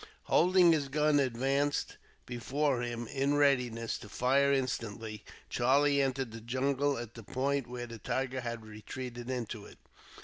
Holding his gun advanced before him, in readiness to fire instantly, Charlie entered the jungle at the point where the tiger had retreated into it.